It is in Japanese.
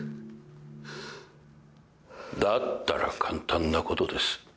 だったら簡単なことです。